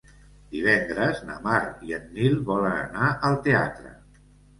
Divendres na Mar i en Nil volen anar al teatre.